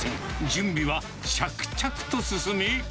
準備は着々と進み。